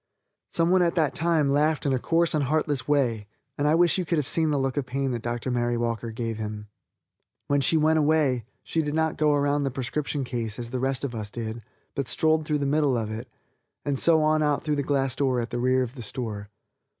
Some one at that time laughed in a coarse and heartless way, and I wish you could have seen the look of pain that Dr. Mary Walker gave him. When she went away, she did not go around the prescription case as the rest of us did, but strolled through the middle of it, and so on out through the glass door at the rear of the store.